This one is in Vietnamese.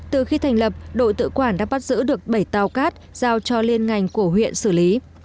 từ khi thành lập đội tự quản đã bắt giữ được bảy tàu cát giao cho liên ngành của huyện xử lý